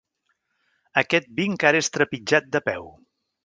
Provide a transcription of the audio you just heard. Aquest vi encara és trepitjat de peu.